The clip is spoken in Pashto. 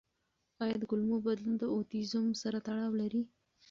آیا د کولمو بدلون د اوټیزم سره تړاو لري؟